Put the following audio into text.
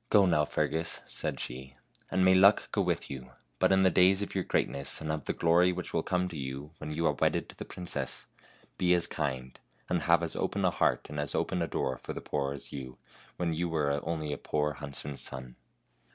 " Go now, Fergus," said she, " and may luck go with you; but, in the days of your greatness and of the glory which will come to you when you are wedded to the princess, be as kind, and THE HUNTSMAN'S SON 99 have as open a heart and as open a door for the poor as you had when you were only a poor huntsman's son."